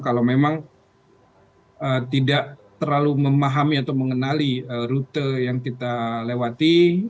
kalau memang tidak terlalu memahami atau mengenali rute yang kita lewati